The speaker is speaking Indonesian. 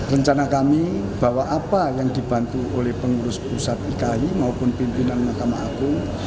rencana kami bahwa apa yang dibantu oleh pengurus pusat iki maupun pimpinan mahkamah agung